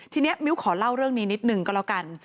ทีนี้มิ้วขอเล่าเรื่องนี้นิดนึงก็แล้วกัน